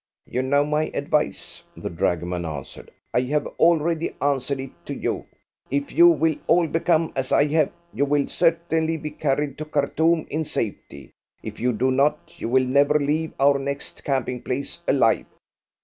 "You know my advice," the dragoman answered; "I have already answered it to you. If you will all become as I have, you will certainly be carried to Khartoum in safety. If you do not, you will never leave our next camping place alive."